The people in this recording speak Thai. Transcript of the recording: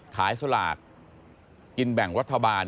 ขายสลากกินแบ่งรัฐบาล